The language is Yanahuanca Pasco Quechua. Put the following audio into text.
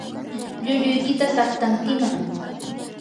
llulluykita saqtankiman.